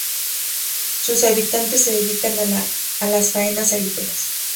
Sus habitantes se dedican a las faenas agrícolas.